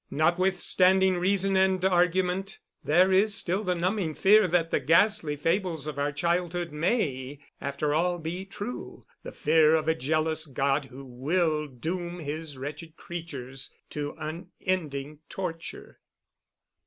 Notwithstanding reason and argument there is still the numbing fear that the ghastly fables of our childhood may after all be true, the fear of a jealous God who will doom His wretched creatures to unending torture.